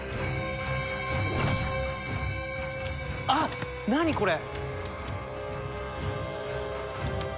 あっ何これ。